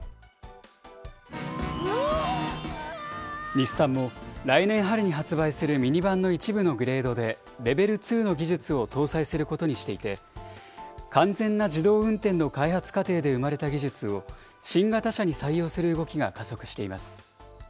日産も、来年春に発売するミニバンの一部のグレードで、レベル２の技術を搭載することにしていて、完全な自動運転の開発過程で生まれた技術を、新型車に採用する動きが加速しています。